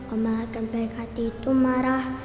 omah rekan baik hati itu marah